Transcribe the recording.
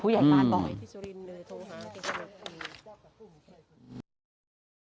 ผู้ใหญ่บ้านบ่อย